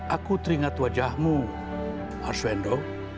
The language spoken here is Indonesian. aku teringat wajahmu arswendo